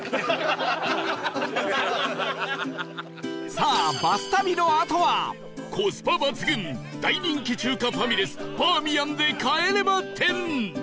さあバス旅のあとはコスパ抜群大人気中華ファミレスバーミヤンで「帰れま１０」